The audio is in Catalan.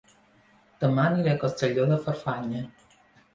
Dema aniré a Castelló de Farfanya